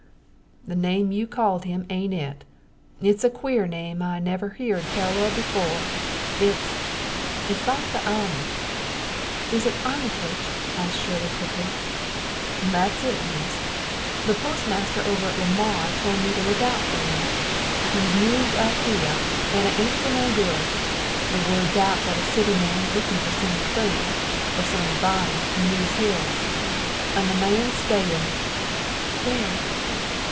"The name you called him ain't it. It's a queer name I never heerd tell on befo' it's it's like the a'my " "Is it Armitage?" asked Shirley quickly. "That's it, Miss! The postmaster over at Lamar told me to look out fer 'im. He's moved up hy'eh, and it ain't fer no good. The word's out that a city man's lookin' for some_thing_ or some_body_ in these hills. And the man's stayin' " "Where?"